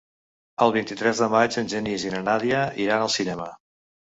El vint-i-tres de maig en Genís i na Nàdia iran al cinema.